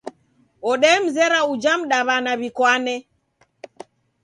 Odemzera uja mdaw'ana w'ikwane